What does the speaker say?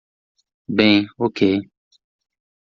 Bem, ok